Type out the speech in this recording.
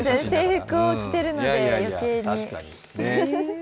制服を着ているので余計に。